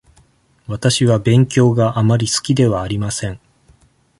わたしは勉強があまり好きではありません。